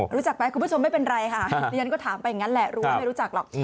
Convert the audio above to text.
รู้จักไหมคุณผู้ชมไม่เป็นไรค่ะดิฉันก็ถามไปอย่างนั้นแหละรู้ว่าไม่รู้จักหรอก